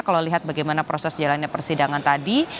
kalau lihat bagaimana proses jalannya persidangan tadi